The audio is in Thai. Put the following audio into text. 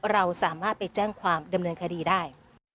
เราสามารถไปแจ้งความดำเนินคดีได้